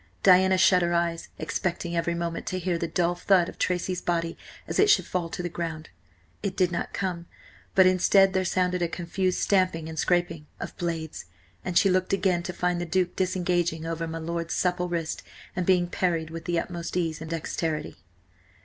Diana shut her eyes, expecting every moment to hear the dull thud of Tracy's body as it should fall to the ground. It did not come, but instead there sounded a confused stamping, and scraping of blades, and she looked again to find the Duke disengaging over my lord's supple wrist and being parried with the utmost ease and dexterity.